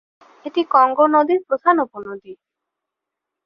এটি কঙ্গো নদীর প্রধান উপনদী।